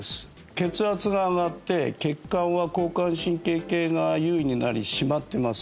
血圧が上がって血管は交感神経系が優位になり締まってます